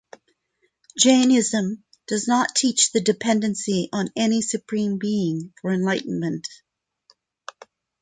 Jainism does not teach the dependency on any supreme being for enlightenment.